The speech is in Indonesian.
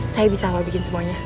saya bisa kalau bikin semuanya